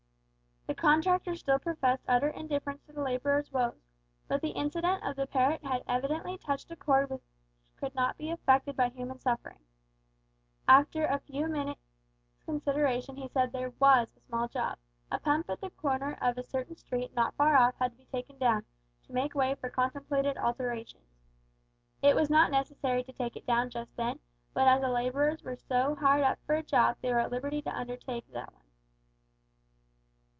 The contractor still professed utter indifference to the labourer's woes, but the incident of the parrot had evidently touched a cord which could not be affected by human suffering. After a few minutes' consideration he said there was a small job a pump at the corner of a certain street not far off had to be taken down, to make way for contemplated alterations. It was not necessary to take it down just then, but as the labourers were so hard up for a job they were at liberty to undertake that one.